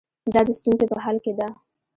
دا د ستونزو په حل کې ده.